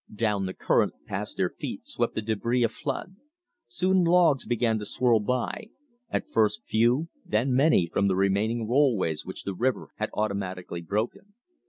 Down the current past their feet swept the debris of flood. Soon logs began to swirl by, at first few, then many from the remaining rollways which the river had automatically broken.